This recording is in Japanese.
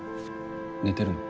寝てるの？